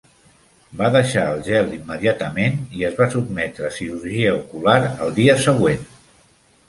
Va deixar el gel immediatament i es va sotmetre a cirurgia ocular el dia següent.